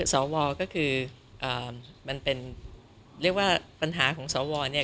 สวก็คือมันเป็นเรียกว่าปัญหาของสวเนี่ย